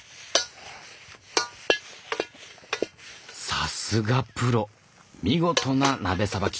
さすがプロ見事な鍋さばき。